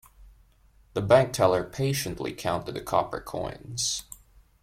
The bank teller patiently counted the copper coins.